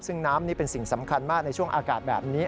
ซึ่งน้ำนี่เป็นสิ่งสำคัญมากในช่วงอากาศแบบนี้